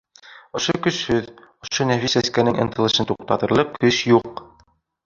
Ошо көсһөҙ, ошо нәфис сәскәнең ынтылышын туҡтатырлыҡ көс юҡ!